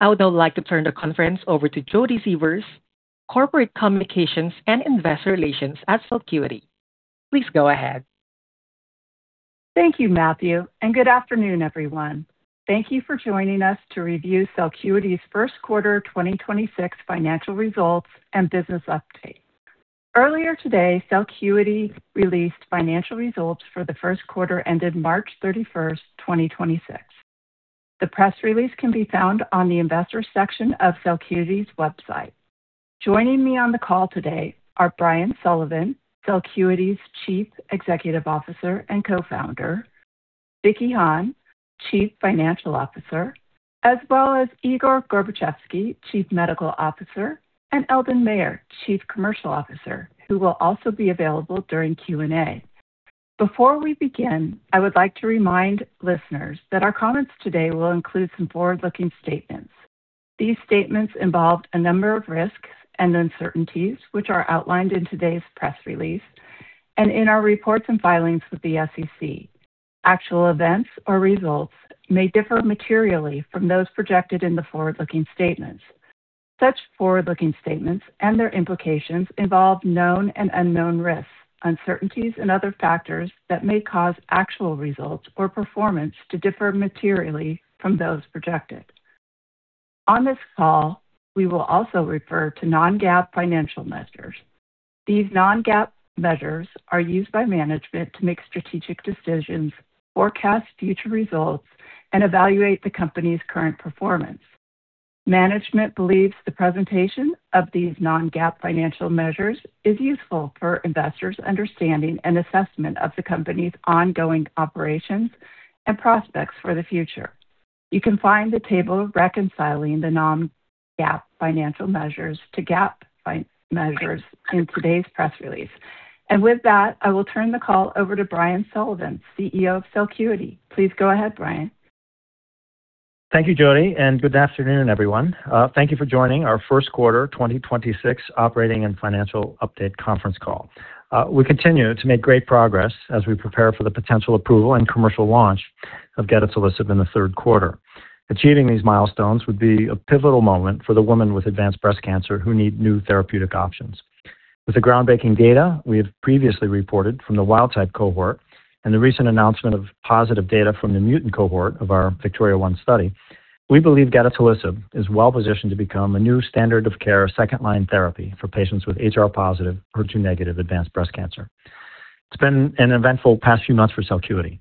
I would now like to turn the conference over to Jodi Sievers, Corporate Communications and Investor Relations at Celcuity. Please go ahead. Thank you, Matthew, good afternoon, everyone. Thank you for joining us to review Celcuity's first quarter 2026 financial results and business update. Earlier today, Celcuity released financial results for the first quarter ended March 31st, 2026. The press release can be found on the investor section of Celcuity's website. Joining me on the call today are Brian Sullivan, Celcuity's Chief Executive Officer and Co-Founder, Vicky Hahne, Chief Financial Officer, as well as Igor Gorbatchevsky, Chief Medical Officer, and Eldon Mayer, Chief Commercial Officer, who will also be available during Q&A. Before we begin, I would like to remind listeners that our comments today will include some forward-looking statements. These statements involve a number of risks and uncertainties, which are outlined in today's press release and in our reports and filings with the SEC. Actual events or results may differ materially from those projected in the forward-looking statements. Such forward-looking statements and their implications involve known and unknown risks, uncertainties and other factors that may cause actual results or performance to differ materially from those projected. On this call, we will also refer to non-GAAP financial measures. These non-GAAP measures are used by management to make strategic decisions, forecast future results, and evaluate the company's current performance. Management believes the presentation of these non-GAAP financial measures is useful for investors' understanding and assessment of the company's ongoing operations and prospects for the future. You can find the table reconciling the non-GAAP financial measures to GAAP measures in today's press release. With that, I will turn the call over to Brian Sullivan, CEO of Celcuity. Please go ahead, Brian. Thank you, Jodi, and good afternoon, everyone. Thank you for joining our first quarter 2026 operating and financial update conference call. We continue to make great progress as we prepare for the potential approval and commercial launch of gedatolisib in the third quarter. Achieving these milestones would be a pivotal moment for the women with advanced breast cancer who need new therapeutic options. With the groundbreaking data we have previously reported from the wild-type cohort and the recent announcement of positive data from the mutant cohort of our VIKTORIA-1 study, we believe gedatolisib is well-positioned to become a new standard of care second-line therapy for patients with HR-positive, HER2-negative advanced breast cancer. It's been an eventful past few months for Celcuity.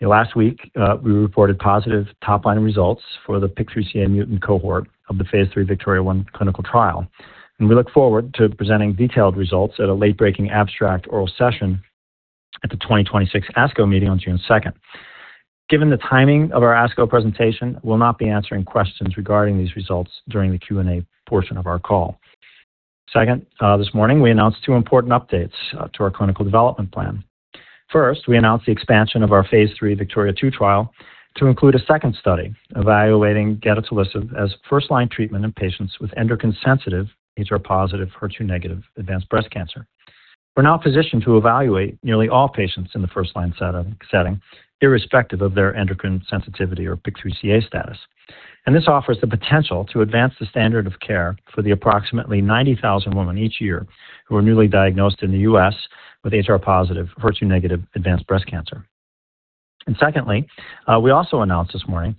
Last week, we reported positive top-line results for the PIK3CA mutant cohort of the phase III VIKTORIA-1 clinical trial. We look forward to presenting detailed results at a late-breaking abstract oral session at the 2026 ASCO meeting on June 2nd. Given the timing of our ASCO presentation, we will not be answering questions regarding these results during the Q&A portion of our call. Second, this morning, we announced two important updates to our clinical development plan. First, we announced the expansion of our phase III VIKTORIA-2 trial to include a second study evaluating gedatolisib as first-line treatment in patients with endocrine-sensitive HR-positive, HER2-negative advanced breast cancer. We are now positioned to evaluate nearly all patients in the first-line setting, irrespective of their endocrine sensitivity or PIK3CA status. This offers the potential to advance the standard of care for the approximately 90,000 women each year who are newly diagnosed in the U.S. with HR-positive, HER2-negative advanced breast cancer. Secondly, we also announced this morning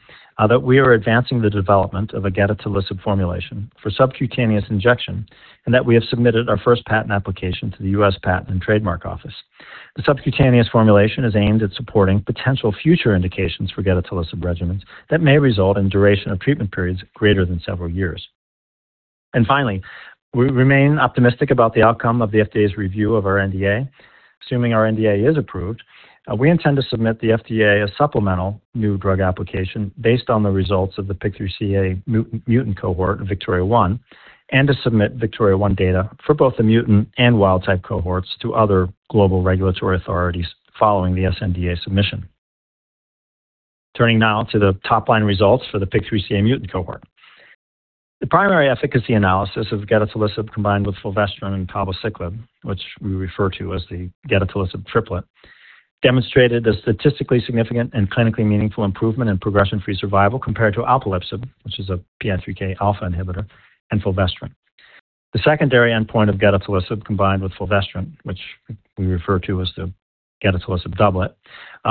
that we are advancing the development of a gedatolisib formulation for subcutaneous injection and that we have submitted our first patent application to the United States Patent and Trademark Office. The subcutaneous formulation is aimed at supporting potential future indications for gedatolisib regimens that may result in duration of treatment periods greater than several years. Finally, we remain optimistic about the outcome of the FDA's review of our NDA. Assuming our NDA is approved, we intend to submit the FDA a supplemental new drug application based on the results of the PIK3CA mutant cohort VIKTORIA-1 and to submit VIKTORIA-1 data for both the mutant and wild-type cohorts to other global regulatory authorities following the sNDA submission. Turning now to the top-line results for the PIK3CA mutant cohort. The primary efficacy analysis of gedatolisib combined with fulvestrant and palbociclib, which we refer to as the gedatolisib triplet, demonstrated a statistically significant and clinically meaningful improvement in progression-free survival compared to alpelisib, which is a PI3K alpha inhibitor, and fulvestrant. The secondary endpoint of gedatolisib combined with fulvestrant, which we refer to as the gedatolisib doublet,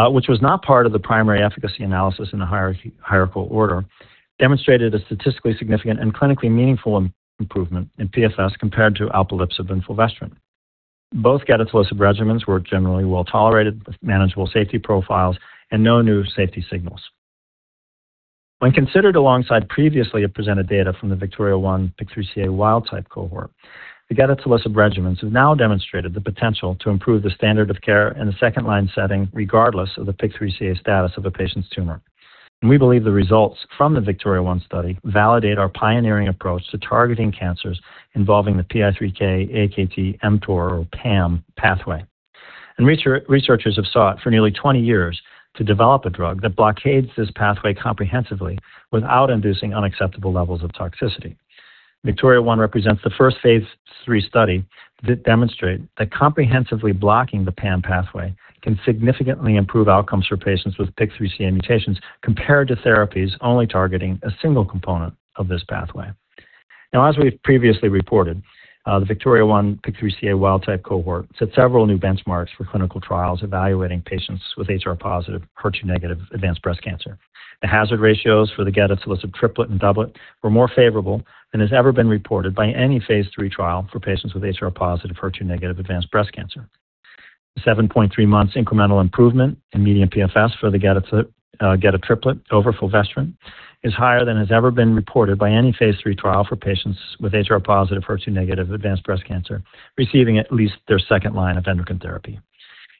which was not part of the primary efficacy analysis in a hierarchical order, demonstrated a statistically significant and clinically meaningful improvement in PFS compared to alpelisib and fulvestrant. Both gedatolisib regimens were generally well-tolerated with manageable safety profiles and no new safety signals. When considered alongside previously presented data from the VIKTORIA-1 PIK3CA wild-type cohort, the gedatolisib regimens have now demonstrated the potential to improve the standard of care in a second-line setting regardless of the PIK3CA status of a patient's tumor. We believe the results from the VIKTORIA-1 study validate our pioneering approach to targeting cancers involving the PI3K, AKT, mTOR or PAM pathway. Researchers have sought for nearly 20 years to develop a drug that blockades this pathway comprehensively without inducing unacceptable levels of toxicity. VIKTORIA-1 represents the first phase III study that demonstrate that comprehensively blocking the PAM pathway can significantly improve outcomes for patients with PIK3CA mutations compared to therapies only targeting a single component of this pathway. As we've previously reported, the VIKTORIA-1 PIK3CA wild-type cohort set several new benchmarks for clinical trials evaluating patients with HR-positive, HER2-negative advanced breast cancer. The hazard ratios for the gedatolisib triplet and doublet were more favorable than has ever been reported by any phase III trial for patients with HR-positive, HER2-negative advanced breast cancer. The 7.3 months incremental improvement in median PFS for the gedatolisib triplet over fulvestrant is higher than has ever been reported by any phase III trial for patients with HR-positive, HER2-negative advanced breast cancer receiving at least their second line of endocrine therapy.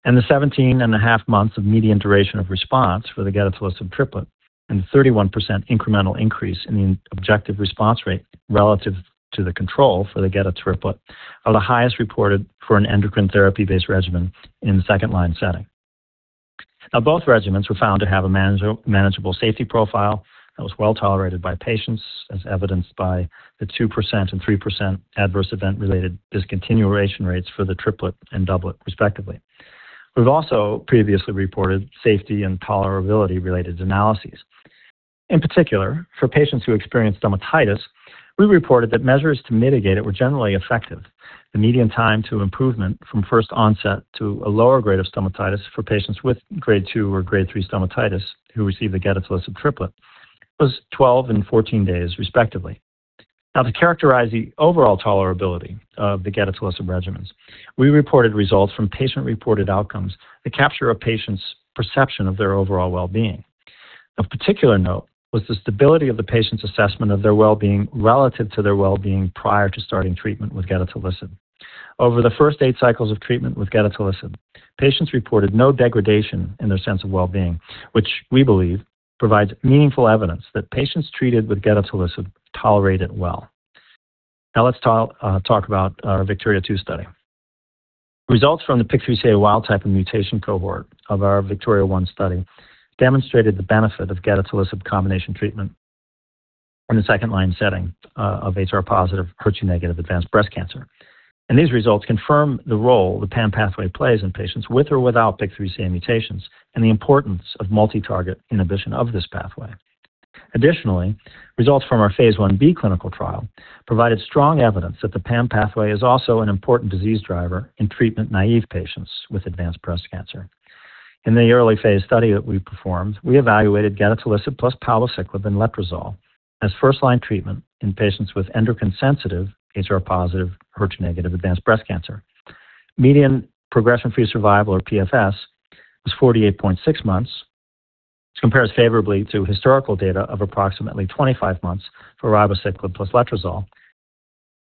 The 17.5 months of median duration of response for the gedatolisib triplet and 31% incremental increase in the objective response rate relative to the control for the gedatolisib triplet are the highest reported for an endocrine therapy-based regimen in the second-line setting. Both regimens were found to have a manageable safety profile that was well-tolerated by patients as evidenced by the 2% and 3% adverse event-related discontinuation rates for the triplet and doublet respectively. We've also previously reported safety and tolerability-related analyses. In particular, for patients who experienced dermatitis, we reported that measures to mitigate it were generally effective. The median time to improvement from first onset to a lower grade of stomatitis for patients with grade 2 or grade 3 stomatitis who received the gedatolisib triplet was 12 and 14 days respectively. To characterize the overall tolerability of the gedatolisib regimens, we reported results from patient-reported outcomes that capture a patient's perception of their overall well-being. Of particular note was the stability of the patient's assessment of their well-being relative to their well-being prior to starting treatment with gedatolisib. Over the first eight cycles of treatment with gedatolisib, patients reported no degradation in their sense of well-being, which we believe provides meaningful evidence that patients treated with gedatolisib tolerate it well. Let's talk about our VIKTORIA-2 study. Results from the PIK3CA wild type and mutation cohort of our VIKTORIA-1 study demonstrated the benefit of gedatolisib combination treatment in the 2nd line setting of HR-positive, HER2-negative advanced breast cancer. These results confirm the role the PAM pathway plays in patients with or without PIK3CA mutations and the importance of multi-target inhibition of this pathway. Additionally, results from our phase I-B clinical trial provided strong evidence that the PAM pathway is also an important disease driver in treatment-naive patients with advanced breast cancer. In the early phase study that we performed, we evaluated gedatolisib plus palbociclib and letrozole as first-line treatment in patients with endocrine-sensitive HR-positive, HER2-negative advanced breast cancer. Median progression-free survival, or PFS, was 48.6 months, which compares favorably to historical data of approximately 25 months for ribociclib plus letrozole.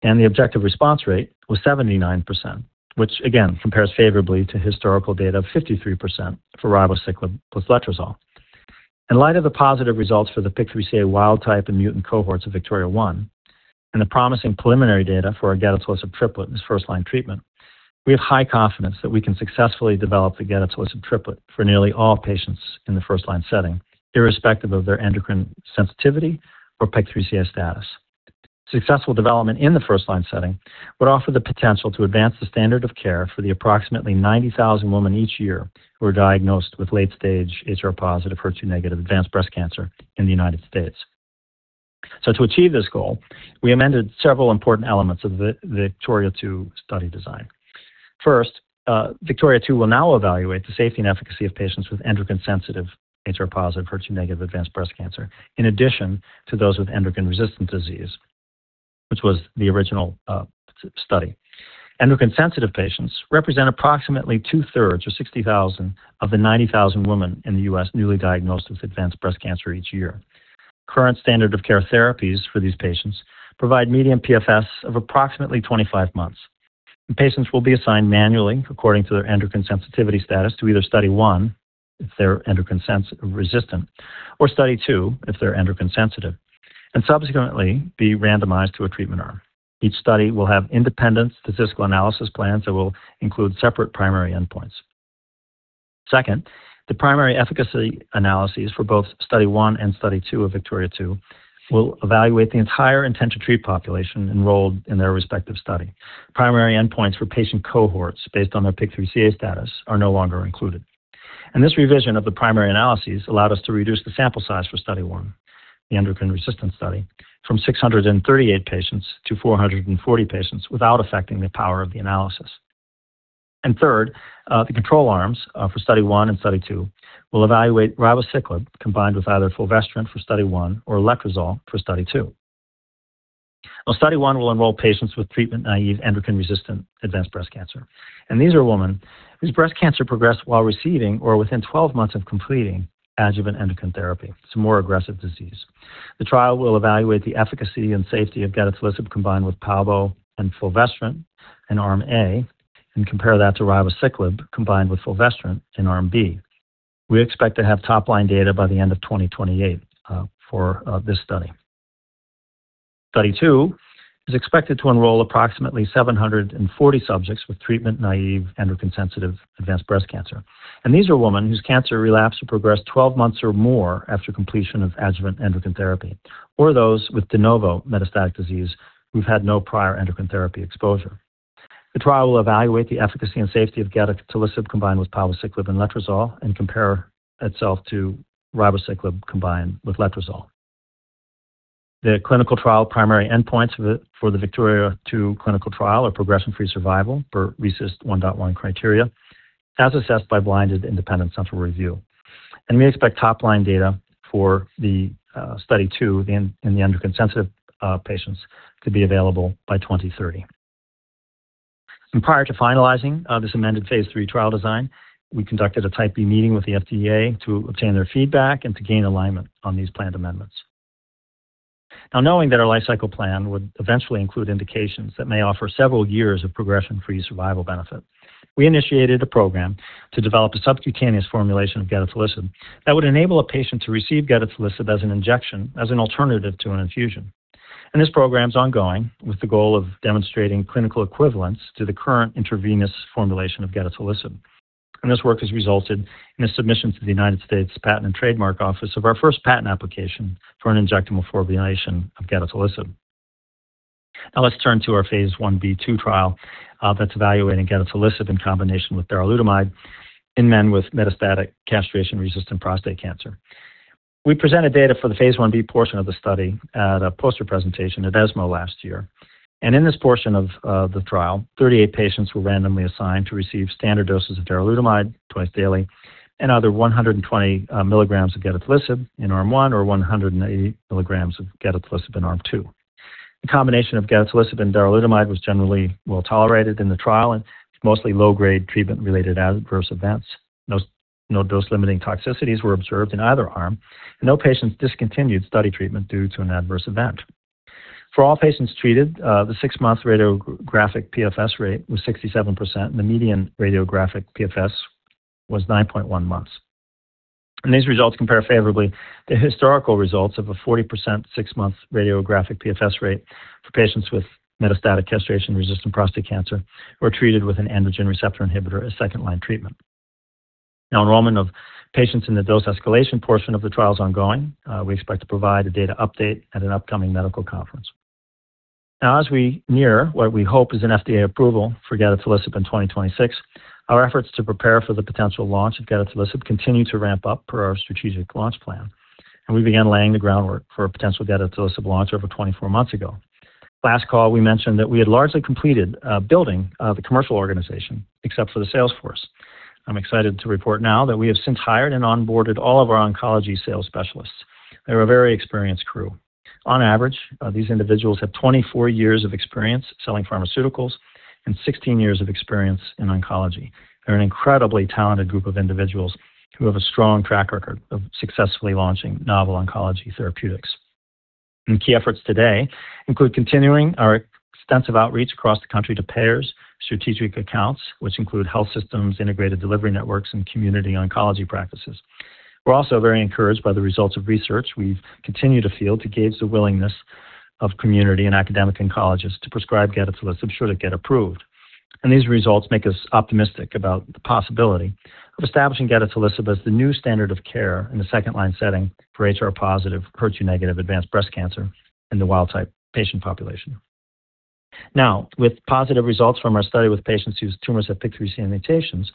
The objective response rate was 79%, which again compares favorably to historical data of 53% for ribociclib plus letrozole. In light of the positive results for the PIK3CA wild type and mutant cohorts of VIKTORIA-1 and the promising preliminary data for our gedatolisib triplet as first-line treatment, we have high confidence that we can successfully develop the gedatolisib triplet for nearly all patients in the first-line setting, irrespective of their endocrine sensitivity or PIK3CA status. Successful development in the first-line setting would offer the potential to advance the standard of care for the approximately 90,000 women each year who are diagnosed with late-stage HR-positive, HER2-negative advanced breast cancer in the U.S. To achieve this goal, we amended several important elements of the VIKTORIA-2 study design. First, VIKTORIA-2 will now evaluate the safety and efficacy of patients with endocrine-sensitive HR-positive, HER2-negative advanced breast cancer in addition to those with endocrine-resistant disease, which was the original study. Endocrine-sensitive patients represent approximately two-thirds or 60,000 of the 90,000 women in the U.S. newly diagnosed with advanced breast cancer each year. Current standard of care therapies for these patients provide median PFS of approximately 25 months. Patients will be assigned manually according to their endocrine sensitivity status to either Study 1 if they are endocrine resistant, or Study 2 if they are endocrine sensitive, and subsequently be randomized to a treatment arm. Each study will have independent statistical analysis plans that will include separate primary endpoints. The primary efficacy analyses for both Study 1 and Study 2 of VIKTORIA-2 will evaluate the entire intent to treat population enrolled in their respective study. Primary endpoints for patient cohorts based on their PIK3CA status are no longer included. This revision of the primary analyses allowed us to reduce the sample size for Study 1, the endocrine-resistant study, from 638 patients to 440 patients without affecting the power of the analysis. Third, the control arms for Study 1 and Study 2 will evaluate ribociclib combined with either fulvestrant for Study 1 or letrozole for Study 2. Study 1 will enroll patients with treatment-naive endocrine-resistant advanced breast cancer, and these are women whose breast cancer progressed while receiving or within 12 months of completing adjuvant endocrine therapy. It's a more aggressive disease. The trial will evaluate the efficacy and safety of gedatolisib combined with palbociclib and fulvestrant in arm A and compare that to ribociclib combined with fulvestrant in arm B. We expect to have top-line data by the end of 2028 for this study. Study 2 is expected to enroll approximately 740 subjects with treatment-naive endocrine-sensitive advanced breast cancer. These are women whose cancer relapsed or progressed 12 months or more after completion of adjuvant endocrine therapy, or those with de novo metastatic disease who've had no prior endocrine therapy exposure. The trial will evaluate the efficacy and safety of gedatolisib combined with palbociclib and letrozole and compare itself to ribociclib combined with letrozole. The clinical trial primary endpoints for the VIKTORIA-2 clinical trial are progression-free survival per RECIST 1.1 criteria as assessed by blinded independent central review. We expect top-line data for the Study 2 in the endocrine-sensitive patients to be available by 2030. Prior to finalizing this amended phase III trial design, we conducted a Type B meeting with the FDA to obtain their feedback and to gain alignment on these planned amendments. Knowing that our lifecycle plan would eventually include indications that may offer several years of progression-free survival benefit, we initiated a program to develop a subcutaneous formulation of gedatolisib that would enable a patient to receive gedatolisib as an injection, as an alternative to an infusion. This program is ongoing with the goal of demonstrating clinical equivalence to the current intravenous formulation of gedatolisib. This work has resulted in a submission to the United States Patent and Trademark Office of our first patent application for an injectable formulation of gedatolisib. Let's turn to our phase I-B/II trial that's evaluating gedatolisib in combination with darolutamide in men with metastatic castration-resistant prostate cancer. We presented data for the phase I-B portion of the study at a poster presentation at ESMO last year. In this portion of the trial, 38 patients were randomly assigned to receive standard doses of darolutamide twice daily and either 120 milligrams of gedatolisib in arm one or 180 milligrams of gedatolisib in arm two. The combination of gedatolisib and darolutamide was generally well-tolerated in the trial and mostly low-grade treatment-related adverse events. No dose-limiting toxicities were observed in either arm, and no patients discontinued study treatment due to an adverse event. For all patients treated, the six month radiographic PFS rate was 67%, and the median radiographic PFS was 9.1 months. These results compare favorably to historical results of a 40% six-month radiographic PFS rate for patients with metastatic castration-resistant prostate cancer who are treated with an androgen receptor inhibitor as second-line treatment. Enrollment of patients in the dose escalation portion of the trial is ongoing. We expect to provide a data update at an upcoming medical conference. As we near what we hope is an FDA approval for gedatolisib in 2026, our efforts to prepare for the potential launch of gedatolisib continue to ramp up per our strategic launch plan. We began laying the groundwork for a potential gedatolisib launch over 24 months ago. Last call, we mentioned that we had largely completed building the commercial organization, except for the sales force. I'm excited to report now that we have since hired and onboarded all of our oncology sales specialists. They're a very experienced crew. On average, these individuals have 24 years of experience selling pharmaceuticals and 16 years of experience in oncology. They're an incredibly talented group of individuals who have a strong track record of successfully launching novel oncology therapeutics. Key efforts today include continuing our extensive outreach across the country to payers, strategic accounts, which include health systems, integrated delivery networks, and community oncology practices. We're also very encouraged by the results of research we've continued to field to gauge the willingness of community and academic oncologists to prescribe gedatolisib should it get approved. These results make us optimistic about the possibility of establishing gedatolisib as the new standard of care in the second-line setting for HR-positive, HER2-negative advanced breast cancer in the wild-type patient population. Now, with positive results from our study with patients whose tumors have PIK3CA mutations,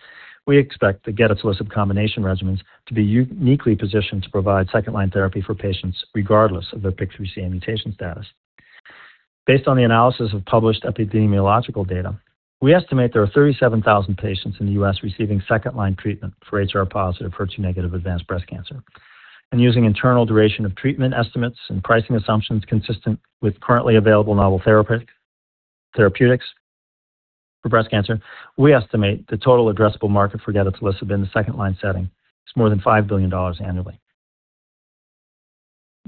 we expect the gedatolisib combination regimens to be uniquely positioned to provide second-line therapy for patients regardless of their PIK3CA mutation status. Based on the analysis of published epidemiological data, we estimate there are 37,000 patients in the U.S. receiving second-line treatment for HR-positive, HER2-negative advanced breast cancer. Using internal duration of treatment estimates and pricing assumptions consistent with currently available novel therapeutics for breast cancer, we estimate the total addressable market for gedatolisib in the second-line setting is more than $5 billion annually.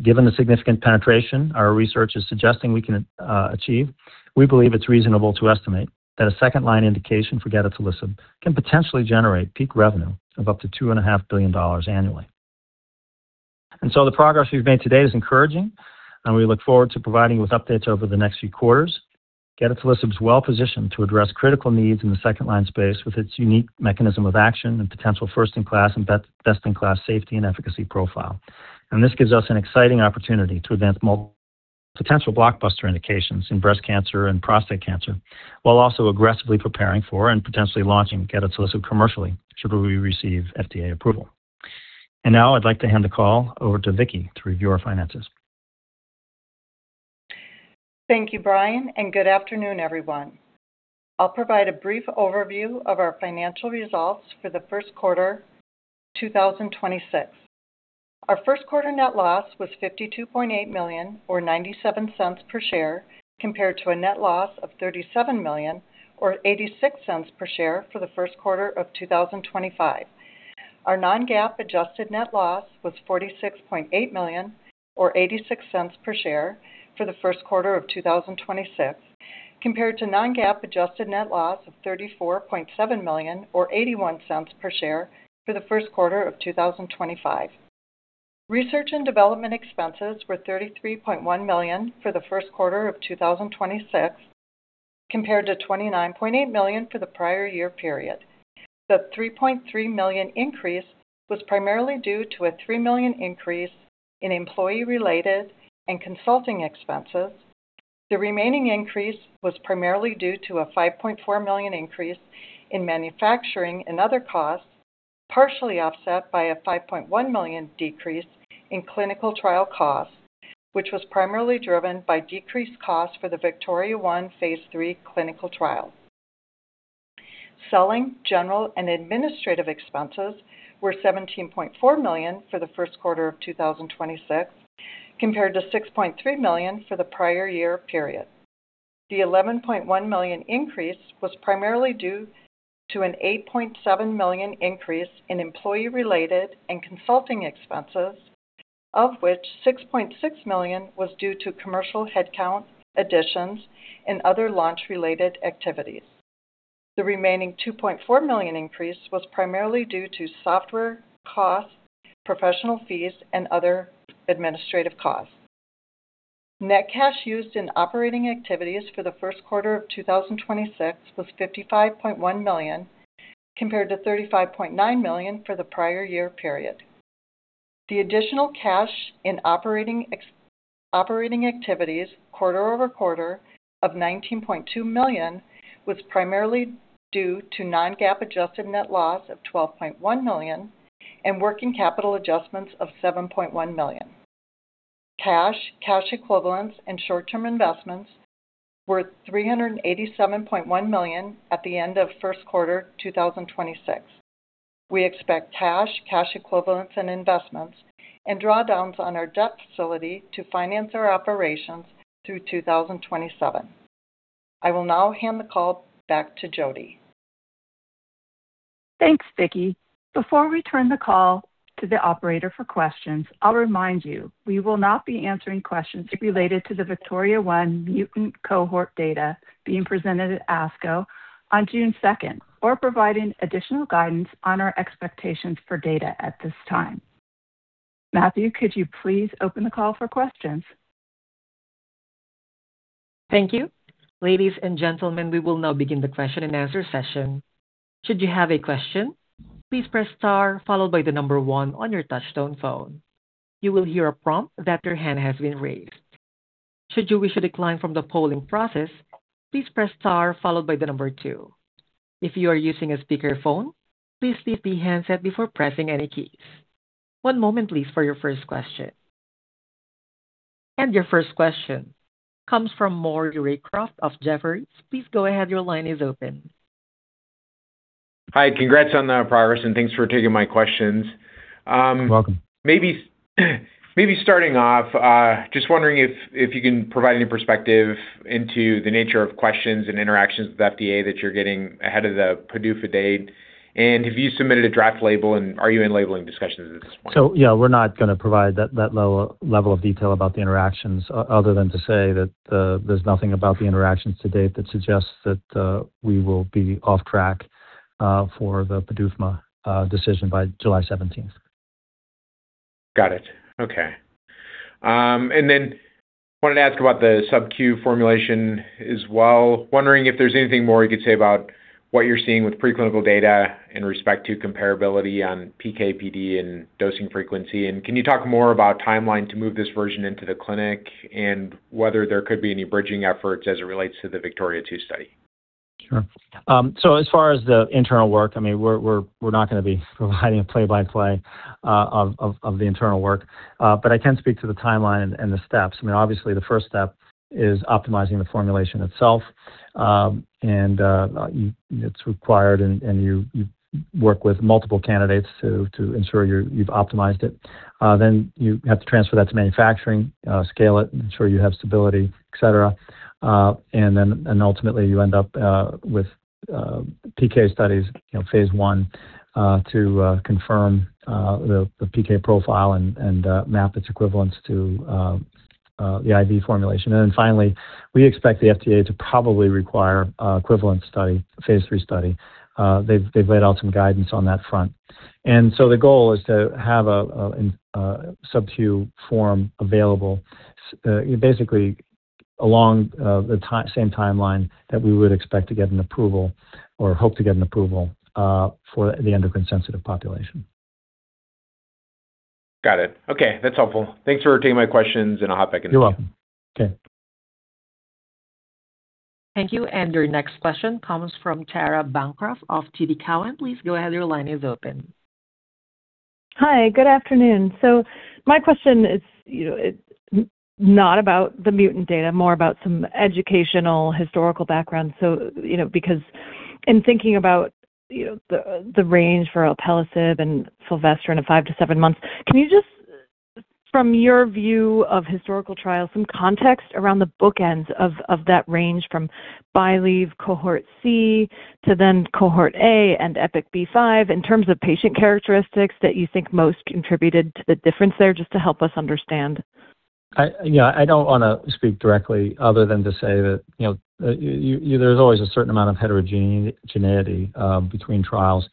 Given the significant penetration our research is suggesting we can achieve, we believe it's reasonable to estimate that a second-line indication for gedatolisib can potentially generate peak revenue of up to $2.5 billion annually. The progress we've made today is encouraging, and we look forward to providing with updates over the next few quarters. Gedatolisib is well-positioned to address critical needs in the second-line space with its unique mechanism of action and potential first-in-class best-in-class safety and efficacy profile. This gives us an exciting opportunity to advance potential blockbuster indications in breast cancer and prostate cancer, while also aggressively preparing for and potentially launching gedatolisib commercially should we receive FDA approval. Now I'd like to hand the call over to Vicky to review our finances. Thank you, Brian, and good afternoon, everyone. I'll provide a brief overview of our financial results for the first quarter 2026. Our first quarter net loss was $52.8 million or $0.97 per share, compared to a net loss of $37 million or $0.86 per share for the first quarter of 2025. Our non-GAAP adjusted net loss was $46.8 million or $0.86 per share for the first quarter of 2026, compared to non-GAAP adjusted net loss of $34.7 million or $0.81 per share for the first quarter of 2025. Research and development expenses were $33.1 million for the first quarter of 2026, compared to $29.8 million for the prior year period. The $3.3 million increase was primarily due to a $3 million increase in employee-related and consulting expenses. The remaining increase was primarily due to a $5.4 million increase in manufacturing and other costs, partially offset by a $5.1 million decrease in clinical trial costs, which was primarily driven by decreased costs for the VIKTORIA-1 phase III clinical trial. Selling, general, and administrative expenses were $17.4 million for the 1st quarter of 2026, compared to $6.3 million for the prior year period. The $11.1 million increase was primarily due to an $8.7 million increase in employee-related and consulting expenses, of which $6.6 million was due to commercial headcount additions and other launch-related activities. The remaining $2.4 million increase was primarily due to software costs, professional fees, and other administrative costs. Net cash used in operating activities for the first quarter of 2026 was $55.1 million, compared to $35.9 million for the prior year period. The additional cash in operating activities quarter-over-quarter of $19.2 million was primarily due to non-GAAP adjusted net loss of $12.1 million and working capital adjustments of $7.1 million. Cash, cash equivalents, and short-term investments were $387.1 million at the end of first quarter 2026. We expect cash equivalents, and investments and drawdowns on our debt facility to finance our operations through 2027. I will now hand the call back to Jodi. Thanks, Vicky. Before we turn the call to the operator for questions, I'll remind you, we will not be answering questions related to the VIKTORIA-1 mutant cohort data being presented at ASCO on June 2nd or providing additional guidance on our expectations for data at this time. Matthew, could you please open the call for questions? Thank you. Ladies and gentlemen, we will now begin the question and answer session. Should you have a question, please press star followed by the number one on your touch-tone phone. You will hear a prompt that your hand has been raised. Should you wish to decline from the polling process, please press star followed by the number two. If you are using a speakerphone, please lift the handset before pressing any keys. One moment please for your first question. Your first question comes from Maury Raycroft of Jefferies. Please go ahead. Your line is open. Hi. Congrats on the progress, and thanks for taking my questions. You're welcome. Maybe starting off, just wondering if you can provide any perspective into the nature of questions and interactions with FDA that you're getting ahead of the PDUFA date. Have you submitted a draft label, and are you in labeling discussions at this point? Yeah, we're not going to provide that level of detail about the interactions other than to say that there's nothing about the interactions to date that suggests that we will be off track for the PDUFA decision by July 17th. Got it. Okay. Then wanted to ask about the subQ formulation as well. Wondering if there's anything more you could say about what you're seeing with preclinical data in respect to comparability on PK/PD and dosing frequency. Can you talk more about timeline to move this version into the clinic and whether there could be any bridging efforts as it relates to the VIKTORIA-2 study? Sure. As far as the internal work, I mean, we're not gonna be providing a play-by-play of the internal work. I can speak to the timeline and the steps. I mean, obviously the first step is optimizing the formulation itself. It's required and you work with multiple candidates to ensure you've optimized it. You have to transfer that to manufacturing, scale it, ensure you have stability, et cetera. Ultimately you end up with PK studies, you know, phase I, to confirm the PK profile and map its equivalence to the IV formulation. Finally, we expect the FDA to probably require equivalent study, phase III study. They've laid out some guidance on that front. The goal is to have an subQ form available, basically along the same timeline that we would expect to get an approval or hope to get an approval for the endocrine sensitive population. Got it. Okay. That's helpful. Thanks for taking my questions. I'll hop back in the queue. You're welcome. Okay. Thank you. Your next question comes from Tara Bancroft of TD Cowen. Please go ahead. Your line is open. Hi. Good afternoon. My question is, you know, not about the mutant data, more about some educational historical background. Because in thinking about, you know, the range for alpelisib and fulvestrant in a five to seven months, can you just, from your view of historical trials, some context around the bookends of that range from BYLieve cohort C to then cohort A and EPIK-B5 in terms of patient characteristics that you think most contributed to the difference there, just to help us understand? I don't want to speak directly other than to say that, you know, there is always a certain amount of heterogeneity between trials,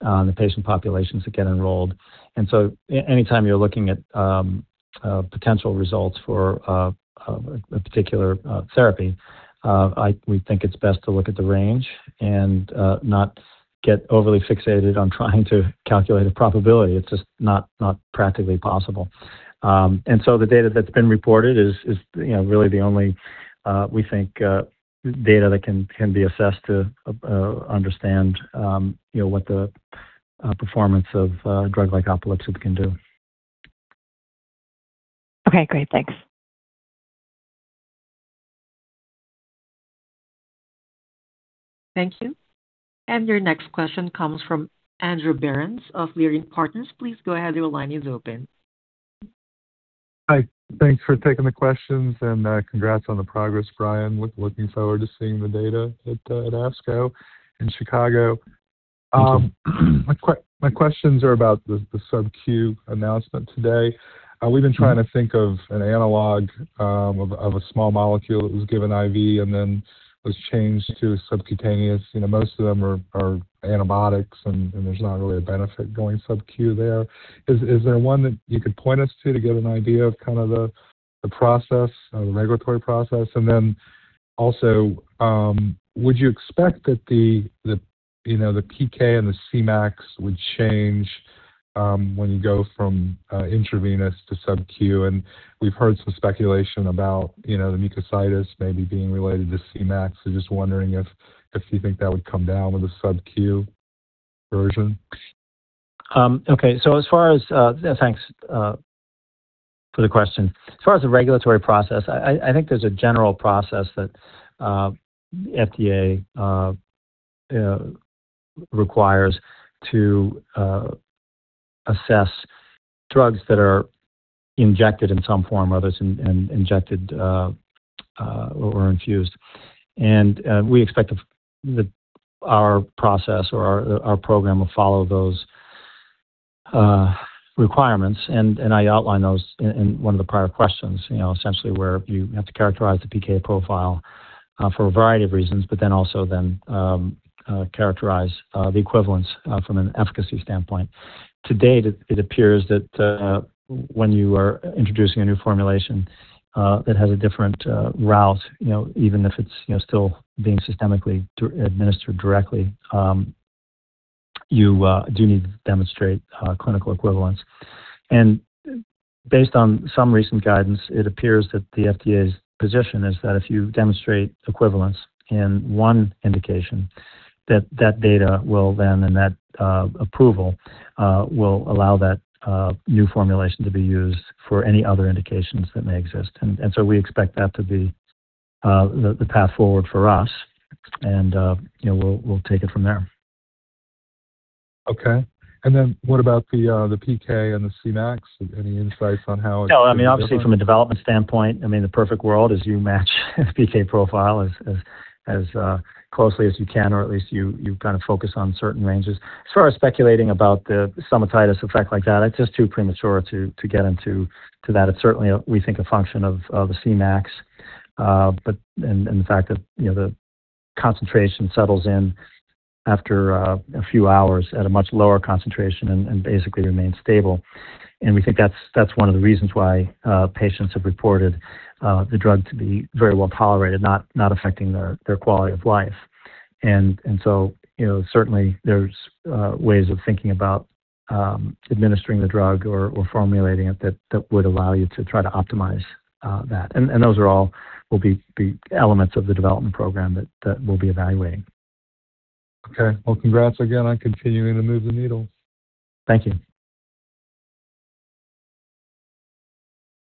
the patient populations that get enrolled. Anytime you are looking at potential results for a particular therapy, we think it is best to look at the range and not get overly fixated on trying to calculate a probability. It is just not practically possible. The data that has been reported is, you know, really the only we think data that can be assessed to understand, you know, what the performance of a drug like can do. Okay, great. Thanks. Thank you. Your next question comes from Andrew Berens of Leerink Partners. Please go ahead. Your line is open. Hi. Thanks for taking the questions, and congrats on the progress, Brian. Looking forward to seeing the data at ASCO in Chicago. Thank you. My questions are about the subQ announcement today. We've been trying to think of an analog of a small molecule that was given IV and then was changed to subcutaneous. You know, most of them are antibiotics, and there's not really a benefit going subQ there. Is there one that you could point us to to get an idea of the process, the regulatory process? Then also, would you expect that the, you know, the PK and the Cmax would change when you go from intravenous to subQ? We've heard some speculation about, you know, the mucositis maybe being related to Cmax. Just wondering if you think that would come down with a subQ version. Yeah, thanks for the question. As far as the regulatory process, I think there's a general process that FDA requires to assess drugs that are injected in some form or other, injected or infused. We expect our program will follow those requirements. I outlined those in one of the prior questions, you know, essentially where you have to characterize the PK profile for a variety of reasons, but then also then characterize the equivalence from an efficacy standpoint. To date, it appears that when you are introducing a new formulation, that has a different route, you know, even if it's, you know, still being systemically administered directly, you do need to demonstrate clinical equivalence. Based on some recent guidance, it appears that the FDA's position is that if you demonstrate equivalence in one indication, that that data will then, and that approval will allow that new formulation to be used for any other indications that may exist. So we expect that to be the path forward for us, and, you know, we'll take it from there. Okay. What about the PK and the Cmax? Any insights on how it's different? No, I mean, obviously from a development standpoint, I mean, the perfect world is you match PK profile as, as closely as you can, or at least you kind of focus on certain ranges. As far as speculating about the stomatitis effect like that, it's just too premature to get into that. It's certainly, we think a function of a Cmax. The fact that, you know, the concentration settles in after a few hours at a much lower concentration and basically remains stable. We think that's one of the reasons why patients have reported the drug to be very well tolerated, not affecting their quality of life. You know, certainly there's ways of thinking about administering the drug or formulating it that would allow you to try to optimize that. Those are all will be elements of the development program that we'll be evaluating. Okay. Well, congrats again on continuing to move the needle. Thank you.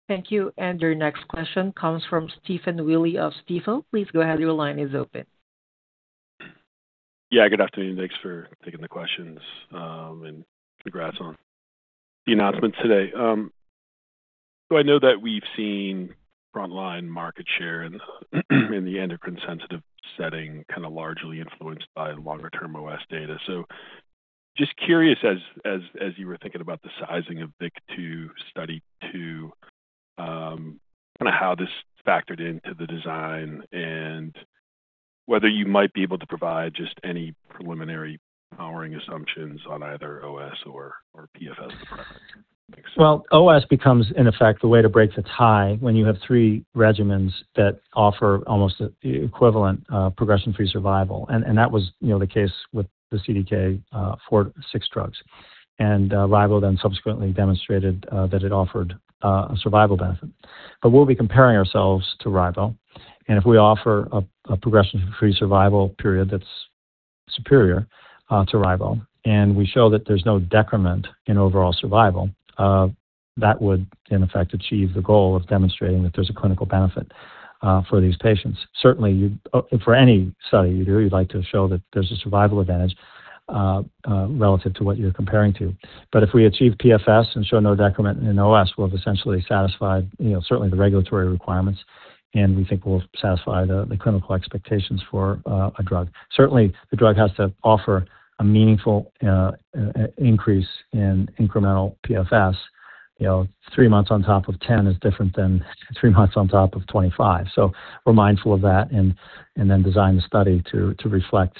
Thank you. Your next question comes from Stephen Willey of Stifel. Please go ahead. Your line is open. Yeah, good afternoon. Thanks for taking the questions. Congrats on the announcement today. I know that we've seen frontline market share in the endocrine-sensitive setting, kind of largely influenced by longer-term OS data. Just curious as you were thinking about the sizing of VIKTORIA-2, kind of how this factored into the design and whether you might be able to provide just any preliminary powering assumptions on either OS or PFS in the primary. Thanks. Well, OS becomes, in effect, the way to break the tie when you have three regimens that offer almost equivalent progression-free survival. That was, you know, the case with the CDK 4/6 drugs. Ribociclib then subsequently demonstrated that it offered a survival benefit. We'll be comparing ourselves to ribociclib, and if we offer a progression-free survival period that's superior to ribociclib, and we show that there's no decrement in overall survival, that would, in effect, achieve the goal of demonstrating that there's a clinical benefit for these patients. Certainly, for any study you do, you'd like to show that there's a survival advantage relative to what you're comparing to. If we achieve PFS and show no decrement in OS, we'll have essentially satisfied, you know, certainly the regulatory requirements, and we think we'll satisfy the clinical expectations for a drug. Certainly, the drug has to offer a meaningful increase in incremental PFS. You know, three months on top of 10 is different than three months on top of 25. We're mindful of that and then design the study to reflect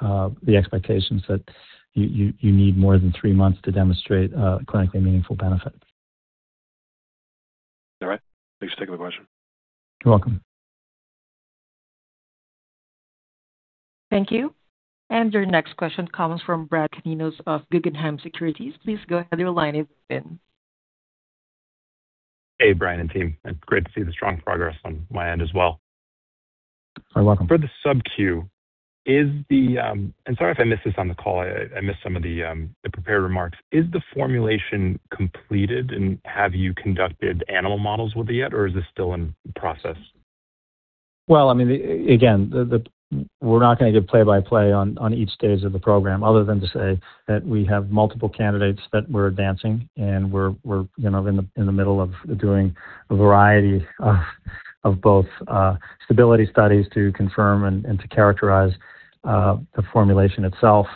the expectations that you need more than three months to demonstrate a clinically meaningful benefit. All right. Thanks for taking the question. You're welcome. Thank you. Your next question comes from Bradley Canino of Guggenheim Securities. Please go ahead. Your line is open. Hey, Brian and team. Great to see the strong progress on my end as well. You're welcome. For the subQ, sorry if I missed this on the call. I missed some of the prepared remarks. Is the formulation completed, and have you conducted animal models with it yet, or is this still in process? Well, I mean, again, we're not gonna give play-by-play on each stage of the program other than to say that we have multiple candidates that we're advancing and we're, you know, in the middle of doing a variety of both stability studies to confirm and to characterize the formulation itself,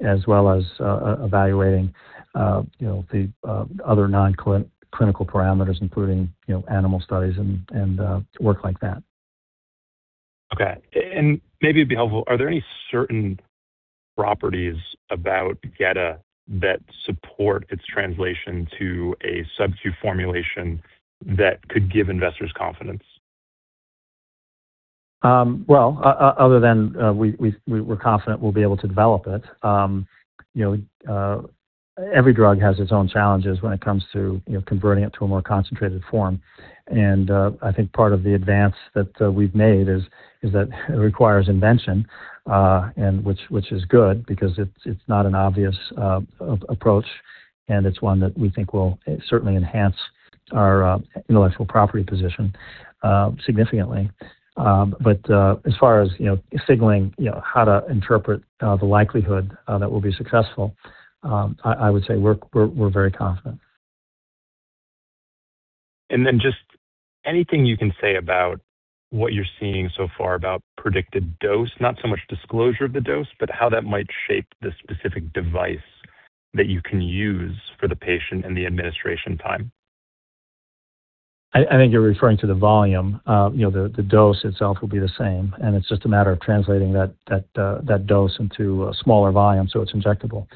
as well as evaluating, you know, the other nonclinical parameters, including, you know, animal studies and work like that. Okay. Maybe it'd be helpful, are there any certain properties about gedatolisib that support its translation to a subQ formulation that could give investors confidence? Well, we're confident we'll be able to develop it. You know, every drug has its own challenges when it comes to, you know, converting it to a more concentrated form. I think part of the advance that we've made is that it requires invention, and which is good because it's not an obvious approach, and it's one that we think will certainly enhance our intellectual property position significantly. As far as, you know, signaling, you know, how to interpret the likelihood that we'll be successful, I would say we're very confident. Just anything you can say about what you're seeing so far about predicted dose, not so much disclosure of the dose, but how that might shape the specific device that you can use for the patient and the administration time. I think you're referring to the volume. You know, the dose itself will be the same, and it's just a matter of translating that dose into a smaller volume so it's injectable.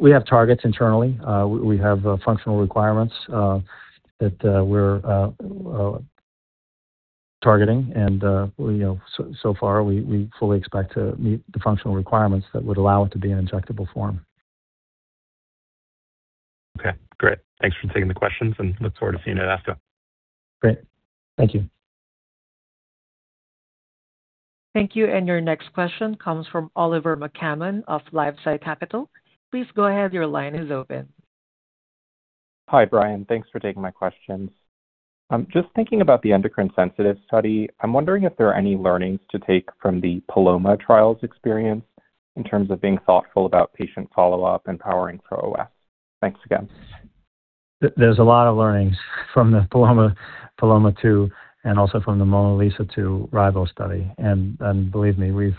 We have targets internally. We have functional requirements that we're targeting. You know, so far, we fully expect to meet the functional requirements that would allow it to be an injectable form. Okay, great. Thanks for taking the questions and look forward to seeing you at ASCO. Great. Thank you. Thank you. Your next question comes from Oliver McCammon of LifeSci Capital. Please go ahead. Your line is open. Hi, Brian. Thanks for taking my questions. I'm just thinking about the endocrine sensitive study. I'm wondering if there are any learnings to take from the PALOMA trials experience in terms of being thoughtful about patient follow-up and powering for OS. Thanks again. There's a lot of learnings from the PALOMA-2 and also from the MONALEESA-2 rival study. Believe me, we've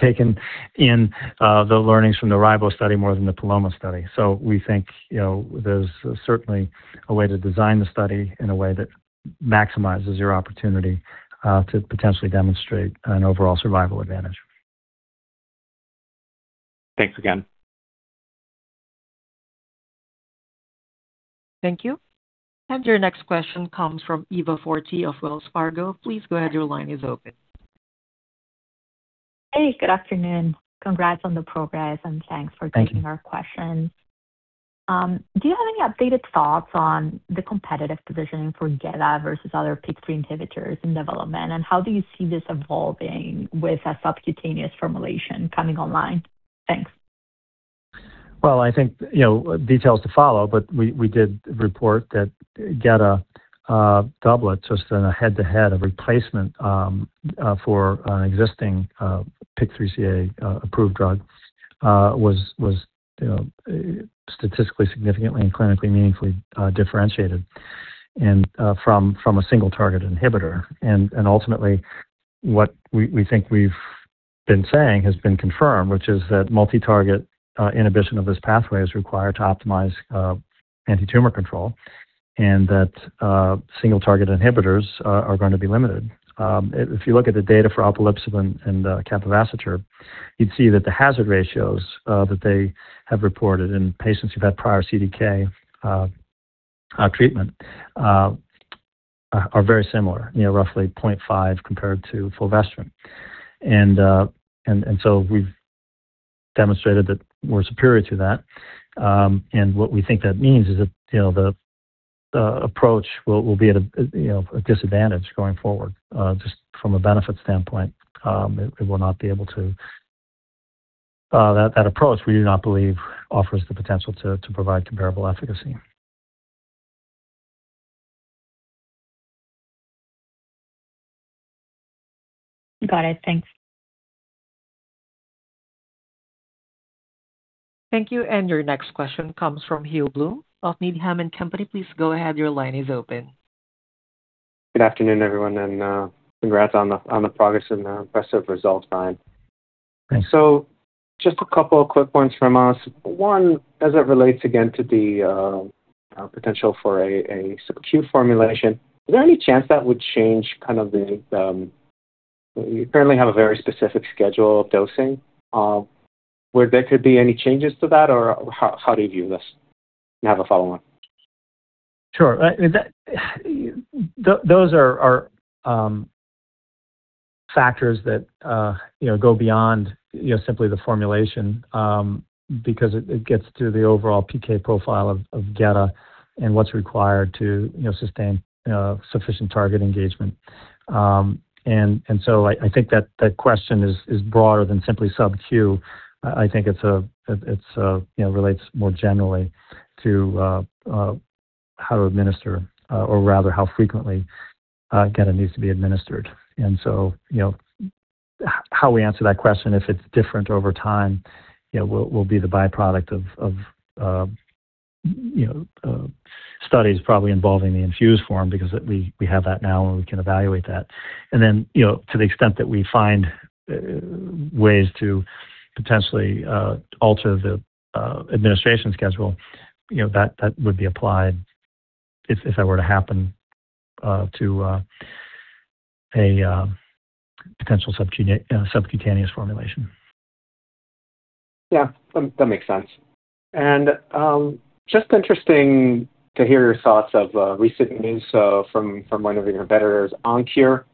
taken in the learnings from the rival study more than the PALOMA study. We think, you know, there's certainly a way to design the study in a way that maximizes your opportunity to potentially demonstrate an overall survival advantage. Thanks again. Thank you. Your next question comes from Eva Fortea-Verdejo of Wells Fargo. Please go ahead. Your line is open. Hey, good afternoon. Congrats on the progress and thanks for taking. Our questions. Do you have any updated thoughts on the competitive positioning for gedatolisib versus other PI3K inhibitors in development, and how do you see this evolving with a subcutaneous formulation coming online? Thanks. Well, I think, you know, details to follow, we did report that gedatolisib doublet, just in a head-to-head, a replacement for an existing PIK3CA approved drug, was, you know, statistically significantly and clinically meaningfully differentiated from a single target inhibitor. Ultimately, what we think we've been saying has been confirmed, which is that multi-target inhibition of this pathway is required to optimize antitumor control and that single target inhibitors are going to be limited. If you look at the data for alpelisib and capivasertib, you'd see that the hazard ratios that they have reported in patients who've had prior CDK treatment are very similar. You know, roughly 0.5 compared to fulvestrant. We've demonstrated that we're superior to that. What we think that means is that, you know, the approach will be at a, you know, a disadvantage going forward, just from a benefit standpoint. That approach we do not believe offers the potential to provide comparable efficacy. Got it. Thanks. Thank you. Your next question comes from Gil Blum of Needham & Company. Please go ahead. Good afternoon, everyone, congrats on the progress and the impressive results, Brian. Thanks. Just a couple of quick points from us. One, as it relates again to the potential for a subQ formulation, is there any chance that would change kind of the. You currently have a very specific schedule of dosing. Would there could be any changes to that, or how do you view this? I have a follow-on. Sure. Those are factors that, you know, go beyond, you know, simply the formulation, because it gets to the overall PK profile of gedatolisib and what's required to, you know, sustain sufficient target engagement. I think that question is broader than simply subQ. I think it's, you know, relates more generally to how to administer, or rather how frequently, gedatolisib needs to be administered. You know, how we answer that question, if it's different over time, you know, will be the byproduct of, you know, studies probably involving the infused form because we have that now, and we can evaluate that. You know, to the extent that we find ways to potentially alter the administration schedule, you know, that would be applied if that were to happen to a potential subcutaneous formulation. Yeah, that makes sense. Just interesting to hear your thoughts of recent news from one of your competitors, OnKure Pharma,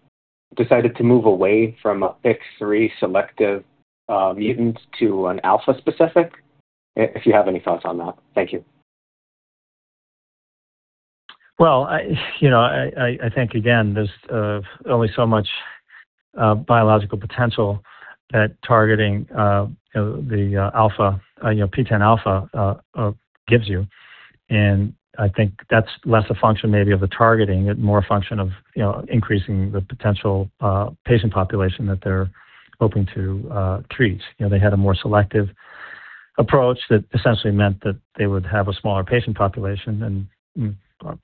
decided to move away from a PI3K selective mutant to an alpha specific, if you have any thoughts on that? Thank you. Well, I, you know, I think, again, there's only so much biological potential that targeting, you know, the alpha, you know, PI3K alpha gives you. I think that's less a function maybe of the targeting and more a function of, you know, increasing the potential patient population that they're hoping to treat. You know, they had a more selective approach that essentially meant that they would have a smaller patient population,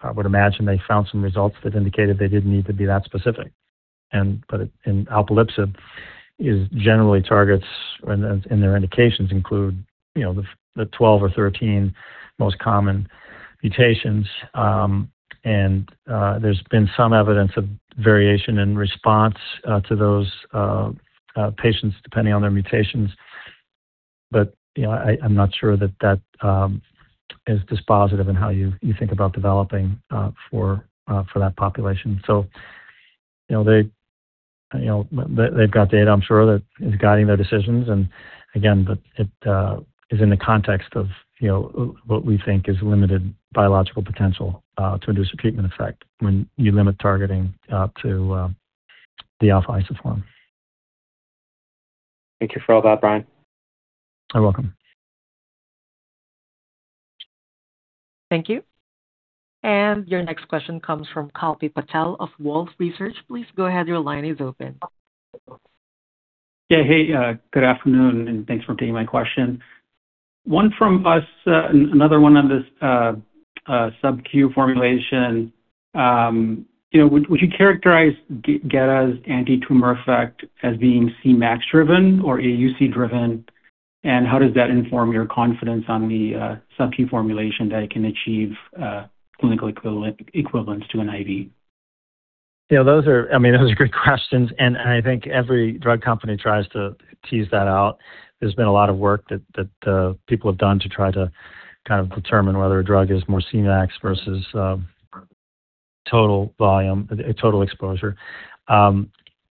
I would imagine they found some results that indicated they didn't need to be that specific. alpelisib is generally targets, and their indications include, you know, the 12 or 13 most common mutations. There's been some evidence of variation in response to those patients depending on their mutations. You know, I'm not sure that that is dispositive in how you think about developing for that population. You know, they, you know, they've got data, I'm sure, that is guiding their decisions and again, but it is in the context of, you know, what we think is limited biological potential to induce a treatment effect when you limit targeting to the alpha isoform. Thank you for all that, Brian. You're welcome. Thank you. Your next question comes from Kalpit Patel of Wolfe Research. Please go ahead. Your line is open. Yeah. Hey, good afternoon, and thanks for taking my question. One from us, another one on this subQ formulation. You know, would you characterize gedatolisib's antitumor effect as being Cmax driven or AUC driven? How does that inform your confidence on the subQ formulation that it can achieve clinical equivalence to an IV? You know, I mean, those are great questions, and I think every drug company tries to tease that out. There's been a lot of work that people have done to try to kind of determine whether a drug is more Cmax versus total volume, total exposure.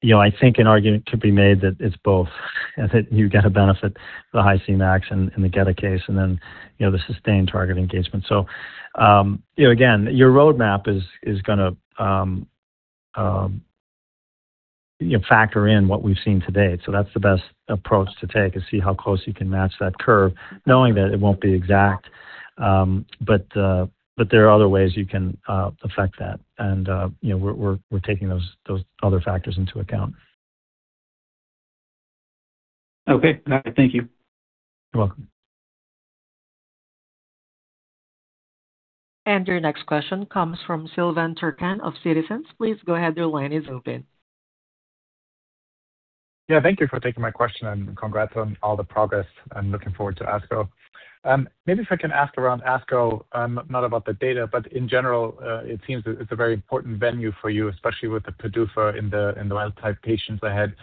You know, I think an argument could be made that it's both, that you get a benefit, the high Cmax in the gedatolisib case and then, you know, the sustained target engagement. You know, again, your roadmap is gonna factor in what we've seen to date. That's the best approach to take is see how close you can match that curve, knowing that it won't be exact, but there are other ways you can affect that. You know, we're taking those other factors into account. Okay. Got it. Thank you. You're welcome. Your next question comes from Silvan Tuerkcan of Citizens JMP. Please go ahead. Your line is open. Thank you for taking my question, and congrats on all the progress. I'm looking forward to ASCO. Maybe if I can ask around ASCO, not about the data, but in general, it seems it's a very important venue for you, especially with the PDUFA in the, in the wildtype patients ahead.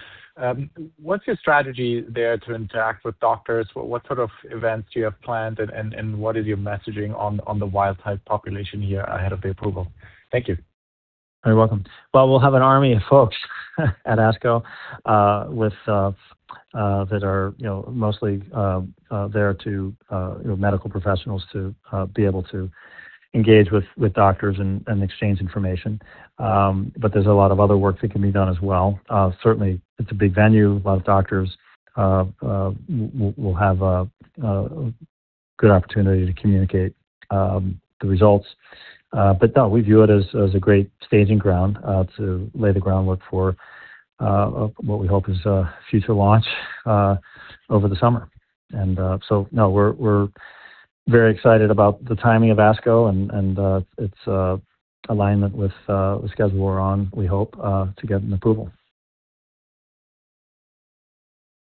What's your strategy there to interact with doctors? What sort of events do you have planned, and what is your messaging on the wildtype population here ahead of the approval? Thank you. You're welcome. Well, we'll have an army of folks at ASCO, with that are, you know, mostly, there to, you know, medical professionals to be able to engage with doctors and exchange information. There's a lot of other work that can be done as well. Certainly, it's a big venue. A lot of doctors will have a good opportunity to communicate the results. No, we view it as a great staging ground to lay the groundwork for what we hope is a future launch over the summer. No, we're Very excited about the timing of ASCO and its alignment with the schedule we're on, we hope to get an approval.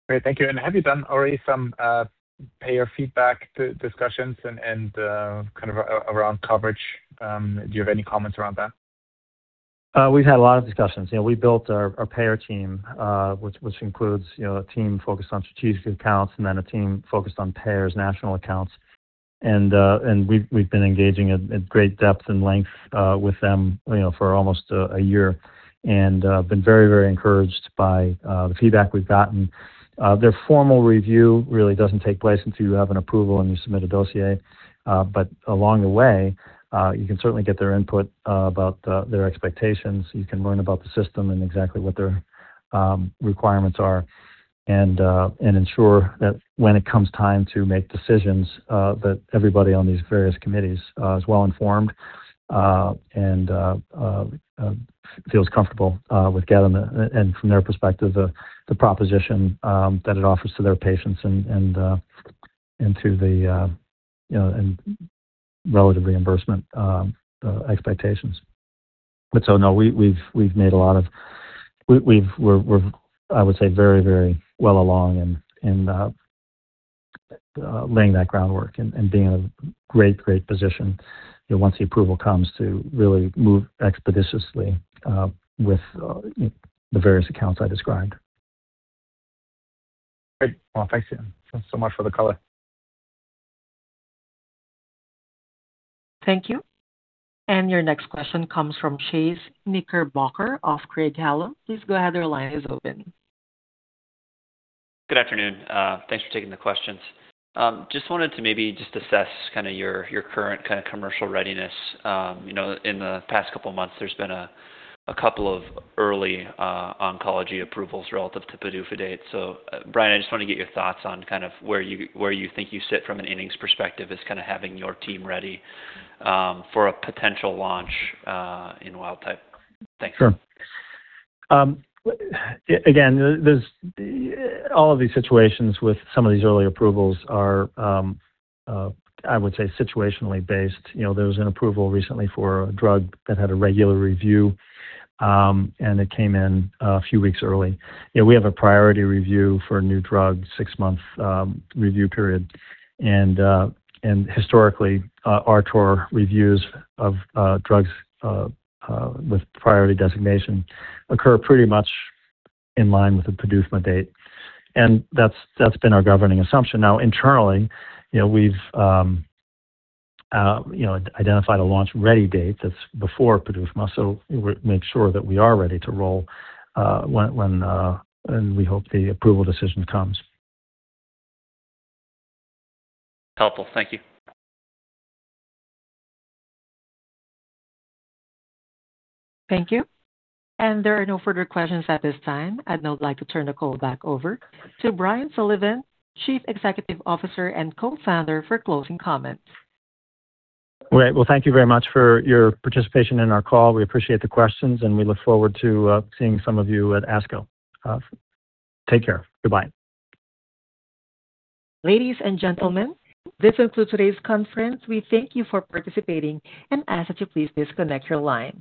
Great. Thank you. Have you done already some payer feedback discussions and kind of around coverage? Do you have any comments around that? We've had a lot of discussions. You know, we built our payer team, which includes, you know, a team focused on strategic accounts and then a team focused on payers, national accounts. We've been engaging at great depth and length with them, you know, for almost a year. Been very encouraged by the feedback we've gotten. Their formal review really doesn't take place until you have an approval and you submit a dossier. Along the way, you can certainly get their input about their expectations. You can learn about the system and exactly what their requirements are and ensure that when it comes time to make decisions that everybody on these various committees is well informed and feels comfortable with getting and from their perspective, the proposition that it offers to their patients and and to the, you know, and relative reimbursement expectations. No, we've made a lot of we're, I would say, very, very well along in laying that groundwork and being in a great position, you know, once the approval comes to really move expeditiously with the various accounts I described. Great. Well, thanks, yeah, so much for the color. Thank you. Your next question comes from Chase Knickerbocker of Craig-Hallum. Please go ahead, your line is open. Good afternoon. Thanks for taking the questions. Just wanted to maybe just assess kinda your current kinda commercial readiness. You know, in the past couple of months, there's been a couple of early oncology approvals relative to PDUFA date. Brian, I just wanna get your thoughts on kind of where you, where you think you sit from an innings perspective as kinda having your team ready for a potential launch in wild type. Thanks. Sure. Again, there's all of these situations with some of these early approvals are, I would say, situationally based. You know, there was an approval recently for a drug that had a regular review, and it came in a few weeks early. You know, we have a priority review for a new drug, six-month review period. Historically, our priority reviews of drugs with priority designation occur pretty much in line with the PDUFA date. That's, that's been our governing assumption. Internally, you know, we've, you know, identified a launch-ready date that's before PDUFA, so we're make sure that we are ready to roll when we hope the approval decision comes. Helpful. Thank you. Thank you. There are no further questions at this time. I'd now like to turn the call back over to Brian Sullivan, Chief Executive Officer and Co-Founder, for closing comments. Great. Well, thank you very much for your participation in our call. We appreciate the questions, and we look forward to seeing some of you at ASCO. Take care. Goodbye. Ladies and gentlemen, this concludes today's conference. We thank you for participating and ask that you please disconnect your line.